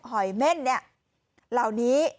หอยเม่นเนี่ย